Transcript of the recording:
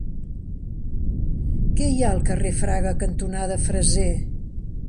Què hi ha al carrer Fraga cantonada Freser?